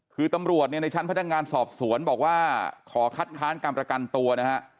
คือตำรวจเนี่ยในชั้นพนักงานสอบสวนบอกว่าขอคัดค้านการประกันตัวนะฮะ